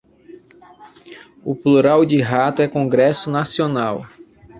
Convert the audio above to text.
o plural de rato é congresso nacional